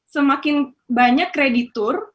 semakin banyak kreditur